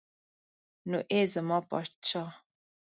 نو ای زما پادشاه.